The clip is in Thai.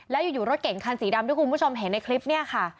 แล้วอยู่รถเก่งคันสีดำที่คุณผู้ชมเห็นในคลิปนี้ค่ะ